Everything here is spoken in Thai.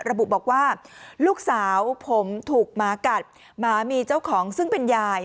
ระบุบอกว่าลูกสาวผมถูกหมากัดหมามีเจ้าของซึ่งเป็นยาย